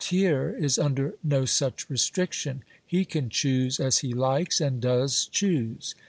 Thiers is under no such restriction. He can choose as he likes, and does choose.